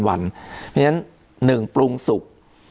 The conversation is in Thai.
เพราะฉะนั้น๑ปรุงสุก